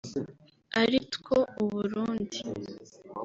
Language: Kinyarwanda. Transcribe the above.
aritwo u Burundi